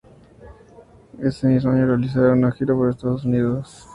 En ese mismo año realizaron una gira por Estados Unidos.